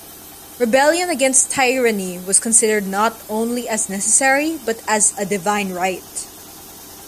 Rebellion against tyranny was considered not only as necessary, but as a divine right.